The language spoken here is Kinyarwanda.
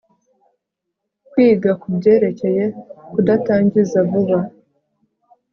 kwiga kubyerekeye kudatangiza vuba